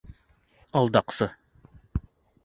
Алдаҡсы...